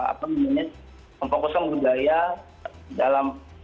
apa namanya memfokuskan budaya dalam